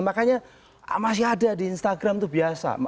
makanya masih ada di instagram itu biasa